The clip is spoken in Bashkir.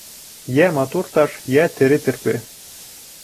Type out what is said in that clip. Йә матур таш, йә тере терпе...